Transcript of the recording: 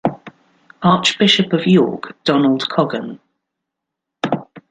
Archbishop of York Donald Coggan.